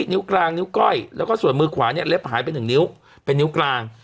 นิ้วกลางนิ้วก้อยแล้วก็ส่วนมือขวาเนี่ยเล็บหายไปหนึ่งนิ้วเป็นนิ้วกลาง